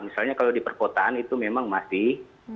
misalnya kalau di perkotaan itu memang masih